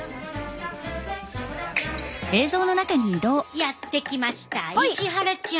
やって来ました石原ちゃん